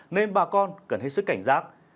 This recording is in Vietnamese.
nên bà con cần hết sức cảnh giác